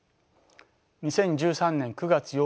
２０１３年９月８日